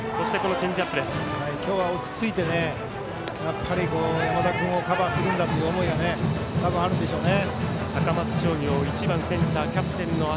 今日は落ち着いてやっぱり山田君をカバーするんだという思いが、多分あるんでしょうね。